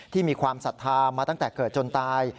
มีความศรัทธามาตั้งแต่เกิดจนตาย